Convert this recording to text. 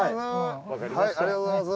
ありがとうございます。